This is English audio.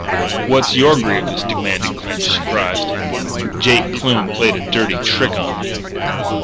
"What's your grievance?" demanded Clinch, surprised. "Jake Kloon played a dirty trick on me."